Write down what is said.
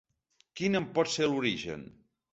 Quin en pot ser l’origen?